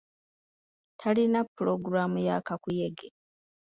Talina pulogulaamu ya kakuyege.